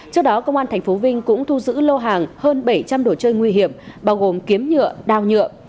trước đó công an tp vinh cũng thu giữ lô hàng hơn bảy trăm linh đồ chơi nguy hiểm bao gồm kiếm nhựa đao nhựa